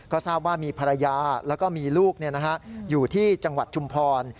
ก็ทราบว่ามีภรรยาแล้วก็มีลูกอยู่ที่จังหวัดชุมพร